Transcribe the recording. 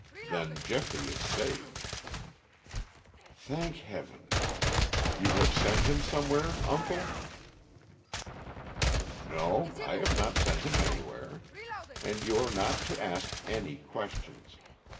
"Then Geoffrey is safe." "Thank Heaven. You have sent him somewhere, uncle?" "No, I have not sent him anywhere. And you are not to ask any questions.